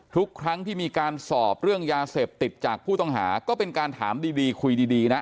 ทุกครั้งที่มีการสอบเรื่องยาเสพติดจากผู้ต้องหาก็เป็นการถามดีคุยดีนะ